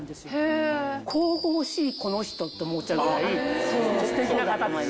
神々しいこの人って思っちゃうぐらい素敵な方です。